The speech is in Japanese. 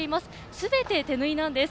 すべて手縫いなんです。